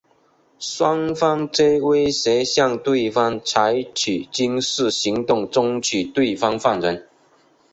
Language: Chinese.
双方皆威胁向对方采取军事行动争取对方放人。